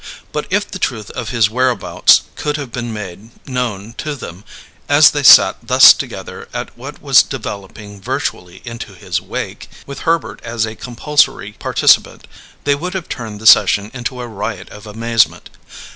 But if the truth of his whereabouts could have been made known to them, as they sat thus together at what was developing virtually into his wake, with Herbert as a compulsory participant, they would have turned the session into a riot of amazement.